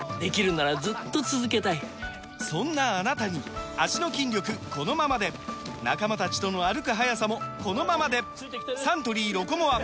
そんなあなたに脚の筋力このままで仲間たちとの歩く速さもこのままでサントリー「ロコモア」！